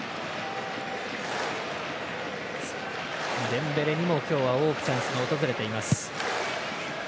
デンベレにも今日は多くチャンスが訪れています。